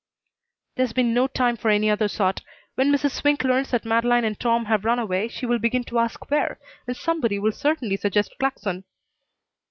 "There's been no time for any other sort. When Mrs. Swink learns that Madeleine and Tom have run away she will begin to ask where, and somebody will certainly suggest Claxon."